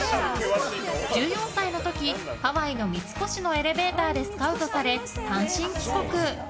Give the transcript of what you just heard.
１４歳の時、ハワイの三越のエレベーターでスカウトされ、単身帰国。